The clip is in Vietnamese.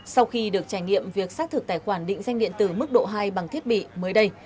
sau khi được trải nghiệm việc xác thực tài khoản định danh điện tử mức độ hai bằng thiết bị mới đây